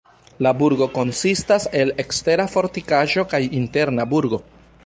La burgo konsistas el ekstera fortikaĵo kaj interna burgo.